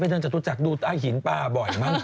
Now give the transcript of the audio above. เป็นเรื่องจากตัวจักรดูใต้หินปลาบ่อยมั้ง